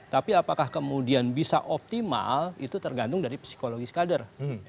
tapi apakah kemudian bisa optimal itu tergantung dari psikologis kader